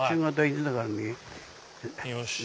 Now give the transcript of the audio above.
よし。